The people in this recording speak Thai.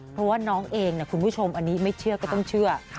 เพราะว่าน้องเองคุณผู้ชมอันนี้ไม่เชื่อก็ต้องเชื่อ